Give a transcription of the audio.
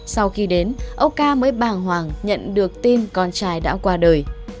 sau khi đến ông ca mới bàng hoàng nhận được tin con trai đã qua đời